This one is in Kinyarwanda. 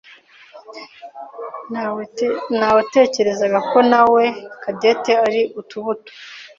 Nawetekerezaga ko nawe Cadette ari utubuto.